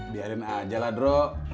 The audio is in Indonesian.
biarin aja lah ndrok